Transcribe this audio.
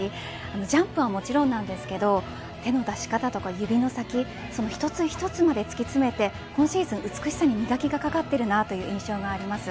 ジャンプはもちろんですが手の出し方とか指の先その一つ一つまで突き詰めて今シーズン、美しさに磨きがかかっている印象があります。